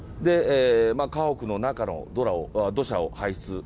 家屋の中の土砂を排出。